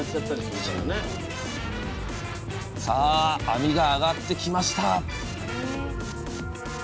網があがってきました